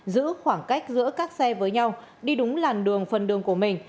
giữ khoảng cách giữa các xe với nhau đi đúng làn đường phần đường của mình